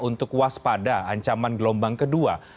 untuk waspada ancaman gelombang kedua